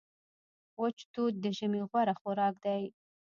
وچ توت د ژمي غوره خوراک دی.